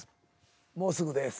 もうすぐです。